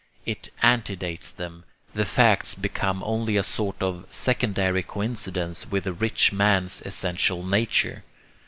It antedates them; the facts become only a sort of secondary coincidence with the rich man's essential nature.